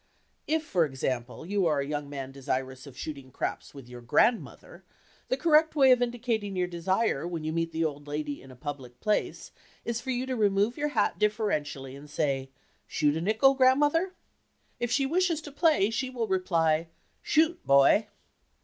If, for example, you are a young man desirous of "shooting craps" with your grandmother, the correct way of indicating your desire when you meet the old lady in a public place is for you to remove your hat deferentially and say "Shoot a nickel, Grandmother?" If she wishes to play she will reply "Shoot, boy!"